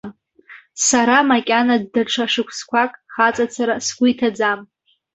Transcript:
Сара макьана даҽа шықәсқәак хаҵацара сгәы иҭаӡам.